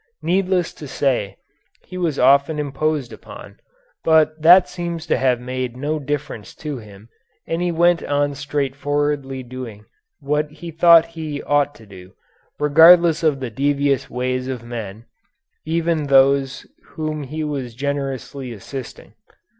Needless to say he was often imposed upon, but that seems to have made no difference to him, and he went on straightforwardly doing what he thought he ought to do, regardless of the devious ways of men, even those whom he was generously assisting.